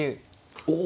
お。